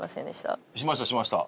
しましたしました！